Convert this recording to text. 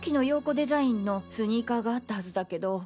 デザインのスニーカーがあったハズだけど。